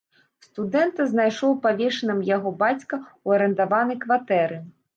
Студэнта знайшоў павешаным яго бацька ў арандаванай кватэры.